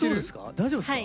大丈夫ですか。